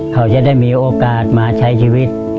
เขาจะได้มีโอกาสมาใช้ชีวิต